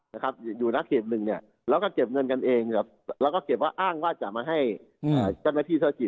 เหงื่อเด็กเข่าเก็บเงินกันเอง